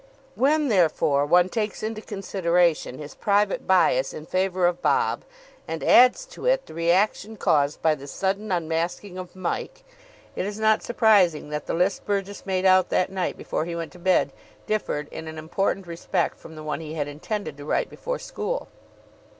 When, therefore, one takes into consideration his private bias in favour of Bob, and adds to it the reaction caused by this sudden unmasking of Mike, it is not surprising that the list Burgess made out that night before he went to bed differed in an important respect from the one he had intended to write before school.